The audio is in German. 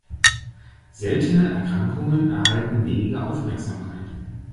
Seltene Erkrankungen erhalten weniger Aufmerksamkeit.